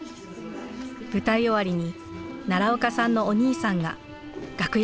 舞台終わりに奈良岡さんのお兄さんが楽屋を訪ねてくれました。